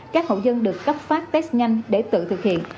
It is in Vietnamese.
các hộ dân được cấp phát test nhanh để tự thực hiện